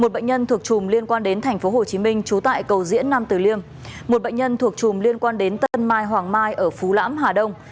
một bệnh nhân thuộc chùm liên quan đến tp hcm trú tại cầu diễn nam tử liêm một bệnh nhân thuộc chùm liên quan đến tân mai hoàng mai ở phú lãm hà đông